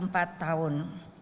selama dua puluh empat tahun